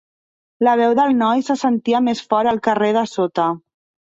La veu del noi se sentia més fort al carrer de sota.